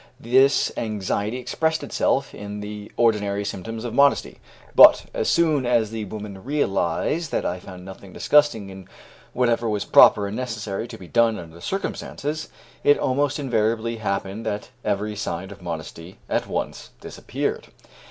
This anxiety expressed itself in the ordinary symptoms of modesty. But, as soon as the woman realized that I found nothing disgusting in whatever was proper and necessary to be done under the circumstances, it almost invariably happened that every sign of modesty at once disappeared.